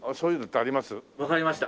わかりました。